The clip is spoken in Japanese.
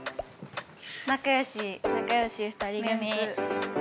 仲よし仲よし２人組